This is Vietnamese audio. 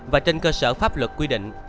và trên cơ sở pháp luật quy định